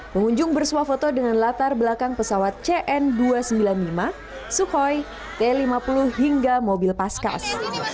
pengunjung bersuah foto dengan latar belakang pesawat cn dua ratus sembilan puluh lima sukhoi t lima puluh hingga mobil paskas